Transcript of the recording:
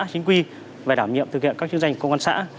chính quy về đảm nhiệm thực hiện các chức danh công an xã